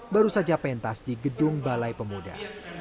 baru saja pentas di gedung balai pemuda